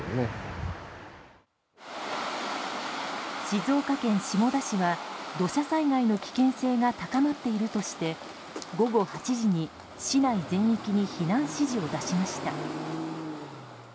静岡県下田市は土砂災害の危険性が高まっているとして午後８時に市内全域に避難指示を出しました。